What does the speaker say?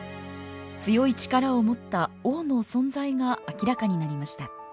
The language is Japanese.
強い力を持った王の存在が明らかになりました。